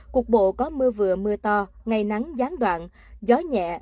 cục bộ có mưa vừa mưa to ngày nắng gián đoạn gió nhẹ